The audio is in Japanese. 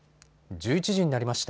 １１時になりました。